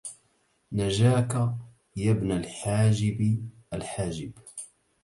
نجاك يا ابن الحاجب الحاجب